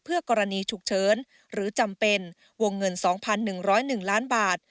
เพื่อกรณีฉุกเฉินหรือจำเป็นวงเงิน๒๑๐๑ล้านบาท